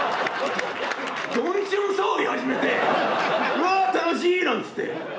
どんちゃん騒ぎ始めて「うわ楽しい」なんつって。